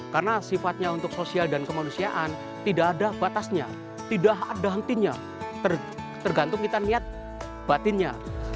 karena sifatnya untuk sosial dan kemanusiaan tidak ada batasnya tidak ada hentinya tergantung kita niat batinnya